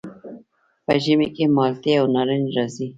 په ژمي کې مالټې او نارنج راځي.